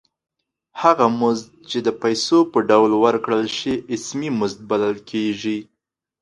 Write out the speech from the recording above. هغه مزد چې د پیسو په ډول ورکړل شي اسمي مزد بلل کېږي